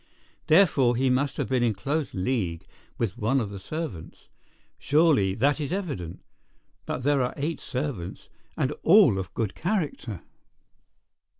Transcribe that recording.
Therefore, he must have been in close league with one of the servants. Surely that is evident. But there are eight servants, and all of good character."